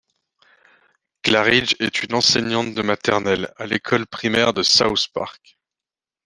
Claridge est une enseignante de maternelle à l'école primaire de South Park.